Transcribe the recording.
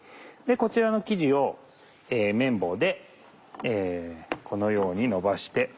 こちらの生地を麺棒でこのようにのばして。